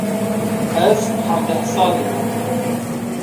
Ez hevdeh salî me.